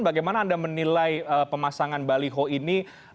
bagaimana anda menilai pemasangan baliho ini